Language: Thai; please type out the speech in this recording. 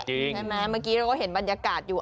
เมื่อกี้เราก็เห็นบรรยากาศอยู่